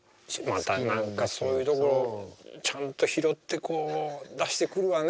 また何かそういうところをちゃんと拾ってこう出してくるわね。